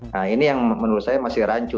nah ini yang menurut saya masih rancu